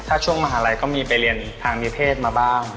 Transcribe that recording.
ถ้าช่วงมหาลัยก็มีไปเรียนทางนิเพศมาบ้าง